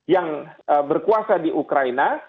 yang berkuasa di ukraina